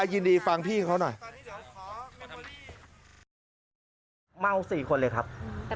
ยินดีฟังพี่ของเขาหน่อย